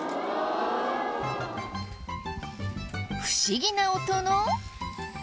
不思議な音の。